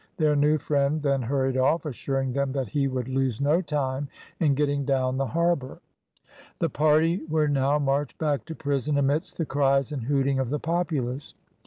Their new friend then hurried off, assuring them that he would lose no time in getting down the harbour. The party were now marched back to prison amidst the cries and hooting of the populace.